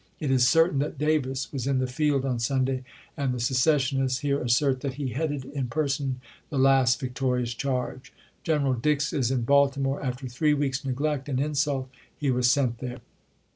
It is certain that Davis was in the field on Sunday, and the secessionists here assert that he headed in person the last victorious charge. General Dix is in Baltimore. After three weeks' neglect and insult he was sent there.